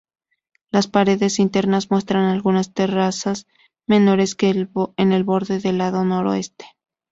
Las paredes internas muestran algunas terrazas menores en el borde del lado noroeste.